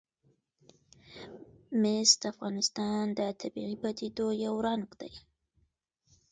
مس د افغانستان د طبیعي پدیدو یو رنګ دی.